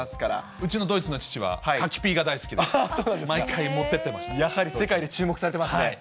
うちのドイツの父は、柿ピーが大好きで、やはり世界で注目されてますね。